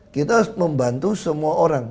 kita harus membantu semua orang